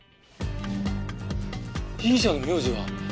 被疑者の名字は金戸。